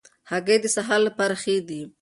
هګۍ د سهار لپاره ښې دي.